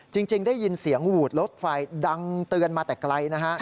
จริงได้ยินเสียงหวูดรถไฟดังเตือนมาแต่ไกลนะฮะ